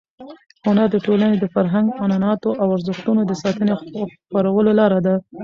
هنر د ټولنې د فرهنګ، عنعناتو او ارزښتونو د ساتنې او خپرولو لار ده.